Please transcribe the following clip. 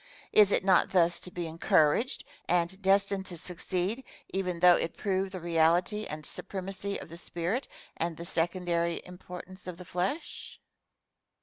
Is it not thus to be encouraged, and destined to succeed even though it prove the reality and supremacy of the spirit and the secondary importance of the flesh?